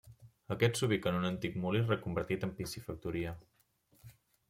Aquest s'ubica en un antic molí reconvertit en piscifactoria.